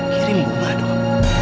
kirim bunga dong